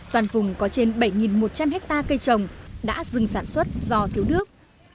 toàn vùng có trên bảy một trăm linh hectare cây trồng đã dừng sản xuất do thiếu nước